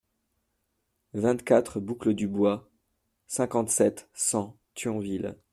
vingt-quatre boucle du Bois, cinquante-sept, cent, Thionville